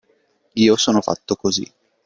Io sono fatto cosí.